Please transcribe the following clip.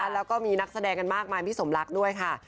แล้วก็มีนักแสดงกันมากมายพี่สมรักด้วยค่ะ